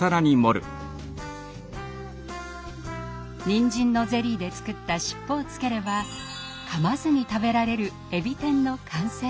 にんじんのゼリーで作った尻尾をつければかまずに食べられるえび天の完成。